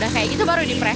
kayak gitu baru dipres